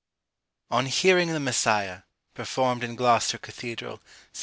ON HEARING "THE MESSIAH" PERFORMED IN GLOUCESTER CATHEDRAL, SEPT.